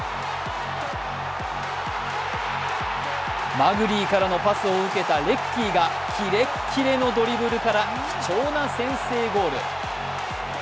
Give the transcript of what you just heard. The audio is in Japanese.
マグリーからのパスを受けたレッキーがキレッキレのドリブルから貴重な先制ゴール。